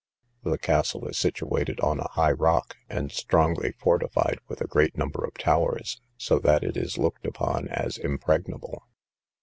The castle is situated on a high rock, and strongly fortified with a great number of towers, so that it is looked upon as impregnable.